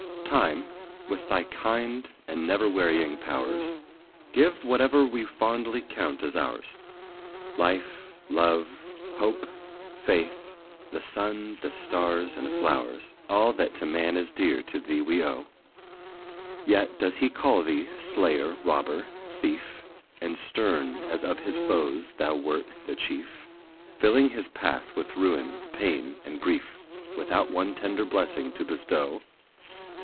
Time, with thy kind and never wearying powers, Giving whate'er we fondly count as ours; Life, love, hope, faith, the sun, the stars and flowers; All that to man is dear to thee we owe! Yet does he call thee, slayer, robber, thief, And stern, as of his foes thou wert the chief, Filling his path with ruins, pain and grief, Without one tender blessing to bestow!